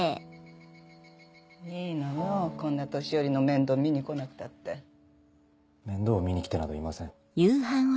いいのよこんな年寄りの面倒見に来なくたって面倒を見に来てなどいません